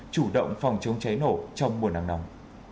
chủ động phòng chống cháy nổ trong mùa nắng nóng